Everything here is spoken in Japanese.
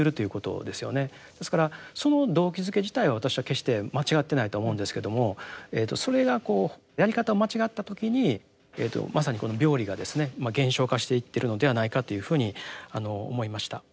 ですからその動機づけ自体は私は決して間違ってないと思うんですけどもそれがこうやり方を間違った時にまさにこの病理がですね現象化していってるのではないかというふうに思いました。